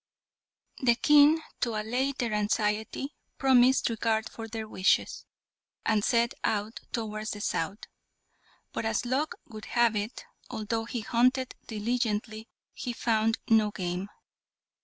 The King, to allay their anxiety, promised regard for their wishes, and set out towards the south; but as luck would have it, although he hunted diligently, he found no game.